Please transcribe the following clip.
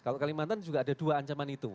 kalau kalimantan juga ada dua ancaman itu